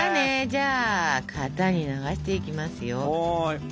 じゃあ型に流していきますよ。